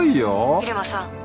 入間さん。